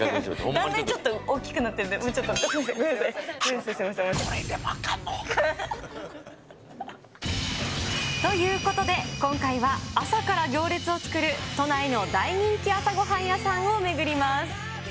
だんだんちょっと大きくなってるので、ごめんなさい、もうちょっと、これでもあかんの？ということで、今回は朝から行列を作る都内の大人気朝ごはん屋さんを巡ります。